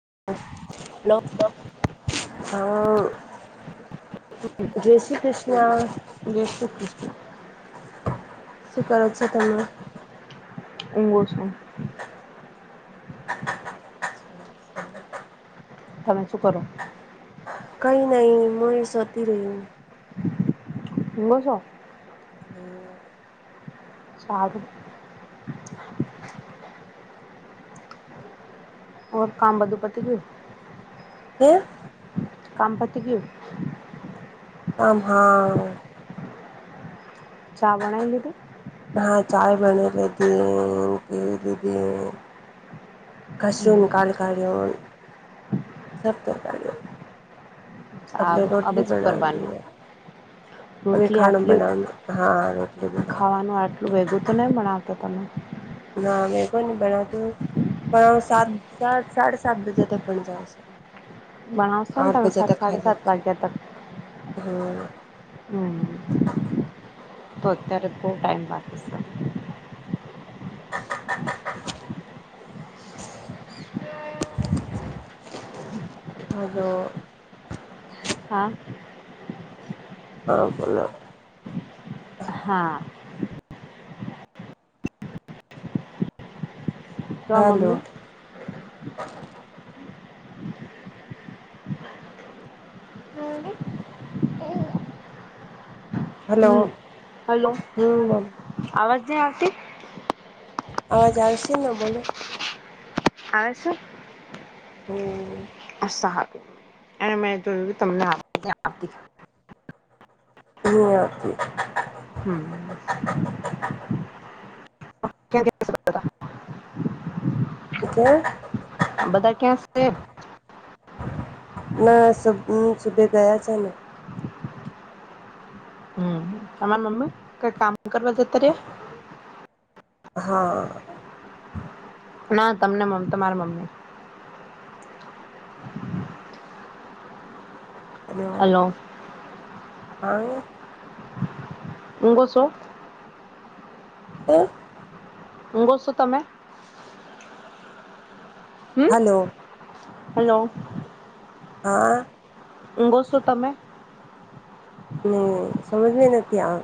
[inaudible] Hello. હઓ, જય શ્રી કૃષ્ણ. જય શ્રી કૃષ્ણ. શું કરો છો તમે? ઊંઘુ છું. તમે શું કરો? કઈ નહી મનીષ જતી રહી. [inaudible] સારું ઓર કામ બધુ પતી ગયું કે કામ પતી ગિયું આમ હા ચા બનાવી લીધું હા ચાય બણે લીધી અને પીઈ લીધી કશરરૂમ હમ કાલકાળ સ તરકાર્યો આ અ છે પરવાની અને રોટલી ખાણું આટલી બનાવ હા રોટલી બનાવ ખાવાનું આટલું ભેગું તો નહી પણ તો પણે ના મે કો ન બનાતું સાત ચાર સાડે સાત બજે તક બન જાય છે. બણવશો ને તમે સાત સાડ સાત વાગ્યા તક હમ્મ. હમ તો અત્યારે બહુ ટાઈમ બાકી સર [inaudible] હલો હા હા બોલો હા કા હલો મમ્મી [inaudible] હલો હમ્મ હલો હમ અવાજ ની આવતી આવાજ આવશે ન બોલો આવ શું હમ્મ સારું એ મેં જોયું તમને્યા [unintelligible] હમ્મ. [inaudible] ક્યાં એ બધા ક્યાં છે. ના સુબે ગયા છે ને અમાર મમ્મી કઈ કામ કરવા જતા ર્યા હા. ના તમને તમારી મમ્મી હલો હા. [unintelligible] હું ગો છો તમે? હલો હેલો હા. ઊંઘો છો તમે? ની સમજ મે નથી આ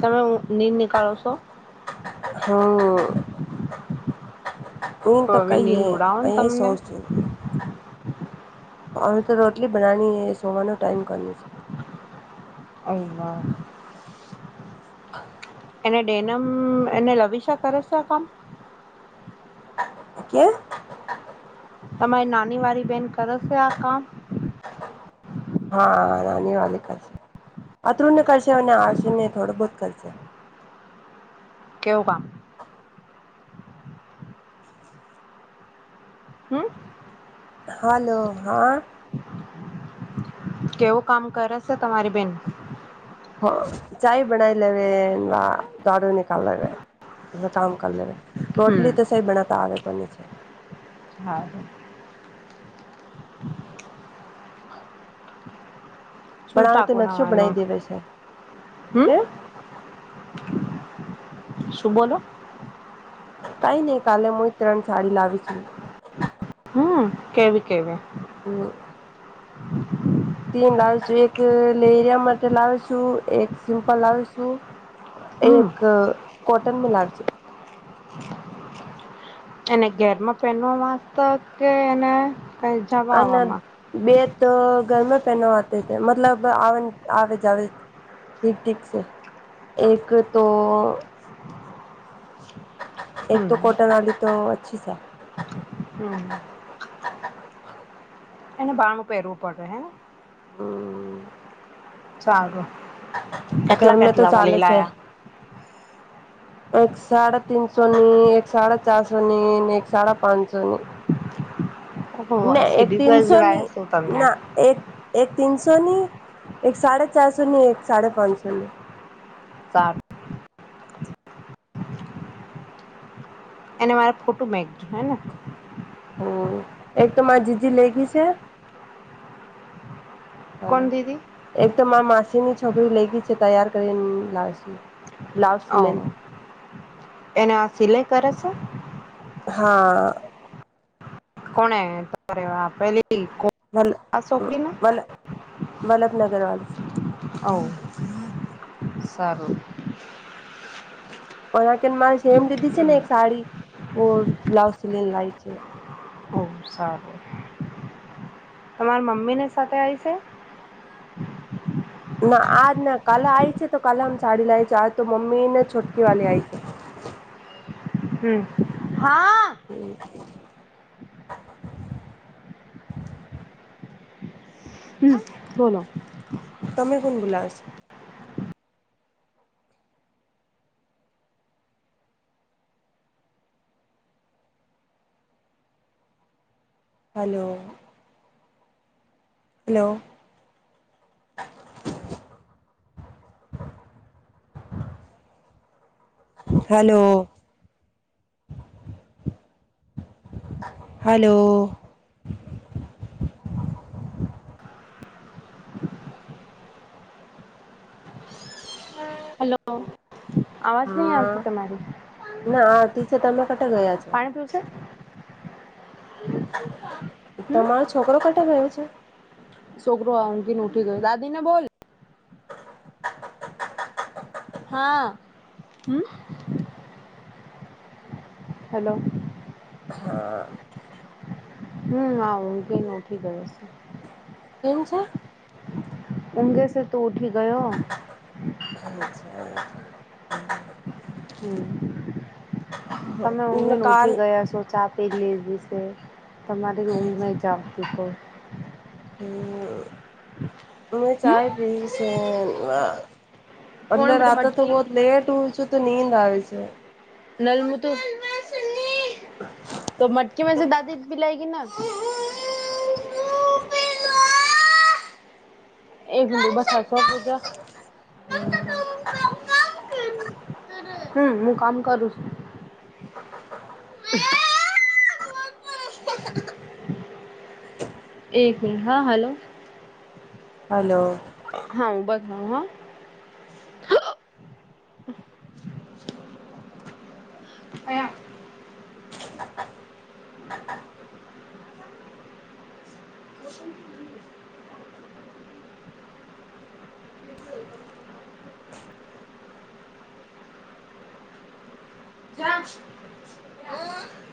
તમે નીર નીકાળો છો હમ્મ. તું તો હવે કહીએે નીંદ ઉડાવો ને અહીં [inaudible] તમને સોચ છું હવે તો રોટલી બનાવાની સુવાનો ટાઈમ કરની છે અમાં [unintelligible] [inaudible] એને ડેનમ અને લવિશા કરે છેઆ કામ કેમ? તમારી નાની વાળી બહેન કરેશે આ કામ હા નાની વાળી કરશે અતુ્ય કરશે અને આશિને થોડો બહુત કરશે કેવ વામ [unintelligible] હમ હલો હા કેવું કામ કરેશે તમારી બેન હ [unintelligible] ચાય બનાવી લેવે ને વા દાડો નિકાલ લેેવે તમે કામ કર લેવે રોટલી હમ તો સહી બનાવતા આવે કોની છે હા શું બણાવે શાક તો નકશો બનાવવાનું બનાવી દેવે હમ છે [unintelligible] શું બોલો કઈ નહી કાલે હું ત્રણ સાડી લાવી છું. હમમ કેવી કેવી. [inaudible] તીન લાવી છું એક લેરિયા માટે લાવી છું એક સિમ્પલ લાવી છું. હમ એક કોટન નુ લાવીશું એને ઘેરમાં પહેનવા [unintelligible] કે એને કઈ જવા અને આવવામાં બે તો ઘર માં પહેરવા માટે મતલબ આવે જાવે. ઠીક ઠીક છે, એક તો એક હમ તો કોટન આલ્યું તો અચ્છી છે. હમ એને બારણું પહેરવું પડે હેને હમ. સારું ઘર કેટલા મા તો કેટલા ચાલે વાલી છે. એક સાડા ત્રણસોની એક સાડા ચારસો ની અને એક સાડા પાંચસો ની લાયા ના એક સિરીઝ તીનસોની લાયા શું તમને ના એક [unintelligible] તીન સોની એક સાડાચારસોની એક સાડાપાંચસોની સારું એને મારે ફોટો મેકયુ હે ને હમ [unintelligible] એક તો મારી જીજી લઈ ગઈ છે. હલો કોણ દીદી [inaudible] એક તો મારી માસીની છોકરી લઈ ગઈ છે. તૈયાર કરીને લાવશે બ્લાઉઝ ઓ સિલાઈને [unintelligible] એને આ સિલાઈ કરે છે. હા. કોણે [inaudible] પેલી કો- વલ આ છોકરીને વલ વલ્લભનગર આવશે. હ [unintelligible] સારું પણ કેમ ના મારે સેમ લીધી છે ને હમ એક સાડી બ્લાઉઝ સીવીને લાવી છે. સારુ તમારા મમ્મી ને સાથે આવી છે. ના આજ ના કાલે આય છે તો કાલે આમ સાડી લાવી છે આજ તો મમ્મી ને છોટકી વાળલી આય છે. [inaudible] હમ હા. [unintelligible] હમ બોલો. તમે કોણ બુલાવે છે? Hello. Hello. [unintelligible] Hello. Hello. [unintelligible] Hello અવાજ નહી હા આવતી તમારી ના ટીચર તમે કટે ગયા છો પાણી પીવ છે. હમ તમારો છોકરો કટે ગયો છે. છોકરો ઉંધીન ઉઠી ગયો દાદી ને બોલ. હા હમ. હલો. હા હમ હ ઊંઘીન ઉઠી ગયો છે. કેમ છે. ઊંગેસે તો ઉઠી ગયો. હમ [unintelligible] હમ તમે ઊઘીને ઉઠી કાલ ગયા છો ચા પી લેવીશે તમારી રૂમ નહી જાવતી કોઈ હ [unintelligible] હ [unintelligible] હમ ચાય પીસ અનેલે કોણ બેટા રાતા તો મટકી બહ લેટ હ છ. તો નીંદ આવે છે. [unintelligible] લલમતું [unintelligible] તો મટકી મેસે દાદી પલાયગી ના હ રબે [unintelligible] એક દિડી બસાસર પૂજા [unintelligible] હમ હમ હું કામ કરું છુ. એક મિનિટ હા હલો હલો હા હું [unintelligible] બધ હા અયા હા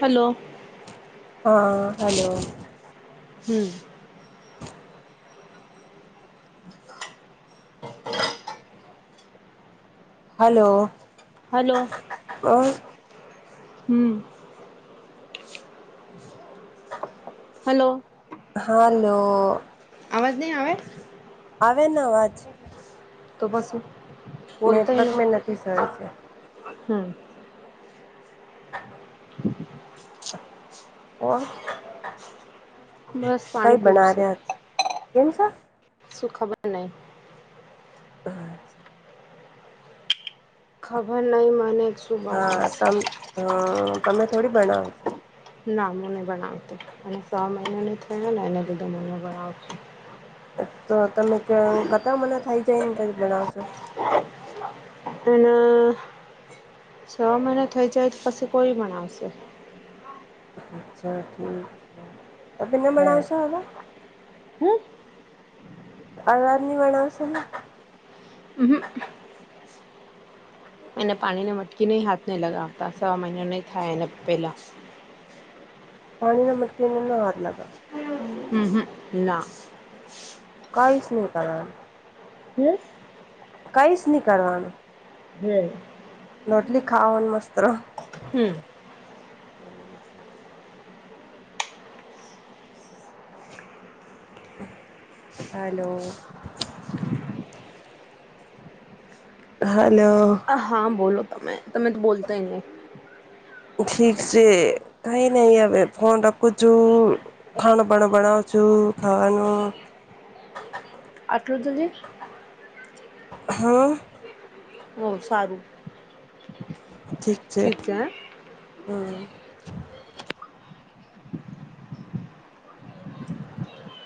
હલો હા હલો હમ હલો હલો હ [unintelligible] હમ હલો હાલો અવાજ નહીં આવે આવેન અવાજ તો પસી નેટવર્ક મે નથી સય છે [unintelligible] હમ હ. બસ પાણી કઈ પીવું બના્યા કેમ છે? સુ ખાબર ન. હચછા. ખબર નહી માને. હા ત તમે થોડી બનાવ છો. ના મને બણાવતો અને સો મહિના ન થયો ને એને લીધું મને બણાવતો. તો તમે કતા મને થઇ જાયને બનાવશો? અને. છ મહિના થઈ જાય તો પછી કોઈ પણ આવશે. અચ્છા ઠીક છે. તો ભના હે માણસસ આવ હતા. હમ. અલાદની વણાવ શેની [unintelligible] એને પાણી ને મટકી નઈ હાથ નહિ લગાવતા સવા મહિનો નહી થાય એને પેલા. પાણી ના મટીકીને હાથ ન લગા હમ-હમ ના. કઈશ નીકલ હ કઈશ નહી કરવાનું. હ. રોટલી ખાવાને મસ્ત્ રહો. હમ હચ્છા -અચ્છા હલો. હા. હા બોલો તમે. તમે તો બોલતાય નહી ઠીક છે કઈ નઈ હવે ફોન રખું છું ખાણ- પાણ બનાવ છું. શું ખાવાનું? આટલું જલદી? હા. બહ સારું. ઠીક છે હા.